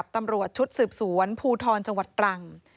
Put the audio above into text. ตำรวจชุดสืบสวนภูทรจังหวัดตรัง